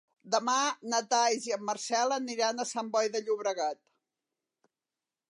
Demà na Thaís i en Marcel aniran a Sant Boi de Llobregat.